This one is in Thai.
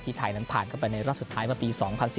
ที่ไทยผ่านไปในรอบสุดท้ายมารถปี๒๐๑๕